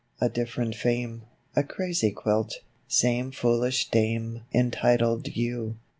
A different fame, A "Crazy Quilt," Same foolish dame Entitled you.